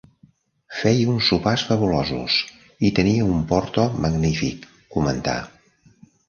"Feia uns sopars fabulosos. I tenia un porto magnífic", comentà.